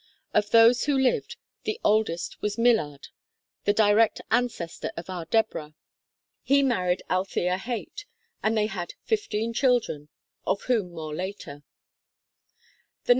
Of those who lived, the oldest was Millard, the direct ancestor of our Deborah. He 20 THE KALLIKAK FAMILY married Althea Haight, and they had fifteen children, of whom more later.